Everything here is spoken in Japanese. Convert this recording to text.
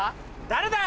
誰だ！